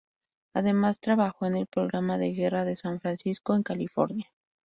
Además trabajó en el Programa de Guerra de San Francisco, en California.